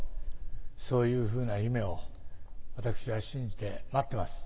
そういうふうな夢を私は信じて待ってます。